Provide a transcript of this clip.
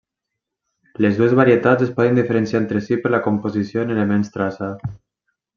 Les dues varietats es poden diferenciar entre si per la composició en elements traça.